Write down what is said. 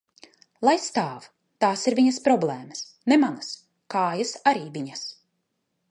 Lai stāv, tās ir viņas problēmas, ne manas, kājas arī viņas.